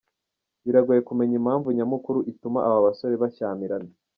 Biragoye kumenya impamvu nyamukuru ituma aba basore bashyamirana.